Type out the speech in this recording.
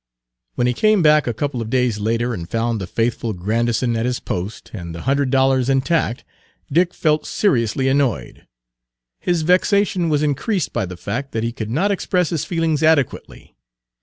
When he came back a couple of days later and found the faithful Grandison at his post, and the hundred dollars intact, Dick felt seriously annoyed. His vexation was increased by the fact that he could not express his feelings adequately.